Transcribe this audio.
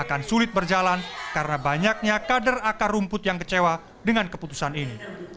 akan sulit berjalan karena banyaknya kader akar rumput yang kecewa dengan keputusan ini